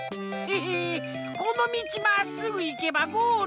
このみちまっすぐいけばゴールじゃん！